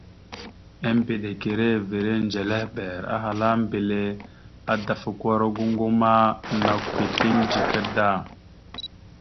Embədekerrevere ndzelehɓer ahala mbelle: « Adafakwara goŋgo, ama nakw « keeteŋ dzika da. ».